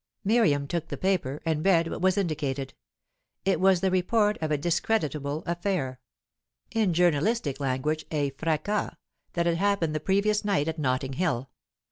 Miriam took the paper, and read what was indicated. It was the report of a discreditable affair in journalistic language, a fracas that had happened the previous night at Notting Hill.